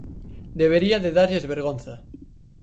Debería de darlles vergonza.